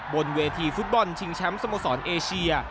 บนเวทีฟุตบอลชิงแชมป์สโมสรเอเชีย